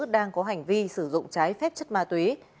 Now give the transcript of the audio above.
đang có hành vi sử dụng trái phép chất ma túy